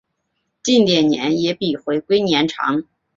近点年也比回归年长。